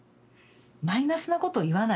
マイナスなこと言わない。